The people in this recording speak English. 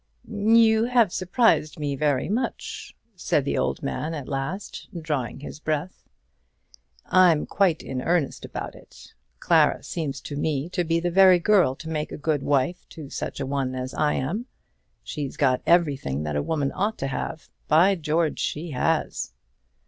"You have surprised me very much," said the old man at last, drawing his breath. "I'm quite in earnest about it. Clara seems to me to be the very girl to make a good wife to such a one as I am. She's got everything that a woman ought to have; by George she has!"